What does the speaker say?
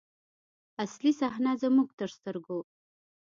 اصلي صحنه زموږ تر سترګو.